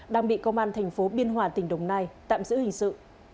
đang bị công an thành phố biên hòa tỉnh đồng nai tạm giữ hình sự